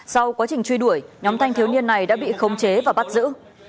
sau quá trình truy đuổi nhóm thanh thiếu niên này đã bị khống chế và bắt giữ